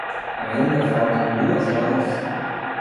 Ainda faltam duas horas